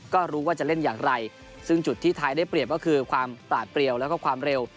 ก็รู้ว่าจะเล่นอย่างไรซึ่งจุดที่ไทยได้เปรียบก็คือความปลาดเปรียวแล้วก็ความเร็ว